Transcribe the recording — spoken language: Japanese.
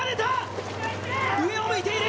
上を向いている。